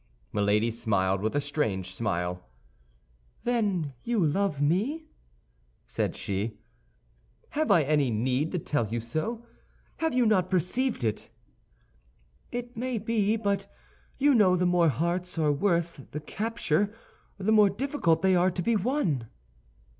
Milady smiled with a strange smile. "Then you love me?" said she. "Have I any need to tell you so? Have you not perceived it?" "It may be; but you know the more hearts are worth the capture, the more difficult they are to be won."